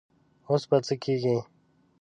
اوس به څه کيږي؟